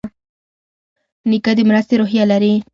نیکه د مرستې روحیه لري.